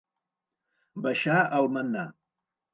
Baixar el mannà.